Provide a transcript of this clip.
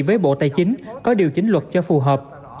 với bộ tài chính có điều chỉnh luật cho phù hợp